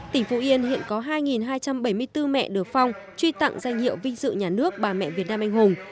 tỉnh phú yên hiện có hai hai trăm bảy mươi bốn mẹ được phong truy tặng danh hiệu vinh dự nhà nước bà mẹ việt nam anh hùng